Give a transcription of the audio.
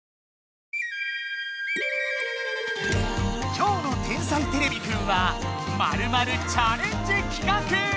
今日の「天才てれびくん」は「○○チャレンジ企画」！